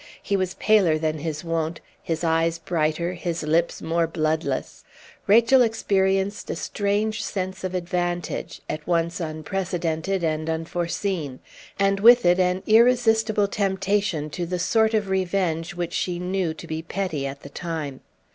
He was paler than his wont, his eyes brighter, his lips more bloodless. Rachel experienced a strange sense of advantage, at once unprecedented and unforeseen, and with it an irresistible temptation to the sort of revenge which she knew to be petty at the time.